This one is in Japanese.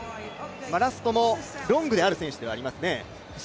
ラストもロングである選手ではありますね。